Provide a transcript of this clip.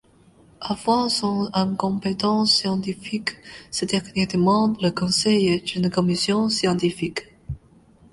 Avouant son incompétence scientifique ce dernier demande le conseil d'une commission scientifique.